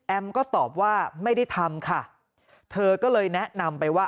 ก็ตอบว่าไม่ได้ทำค่ะเธอก็เลยแนะนำไปว่า